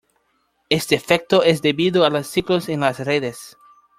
Este efecto es debido a los ciclos en las redes.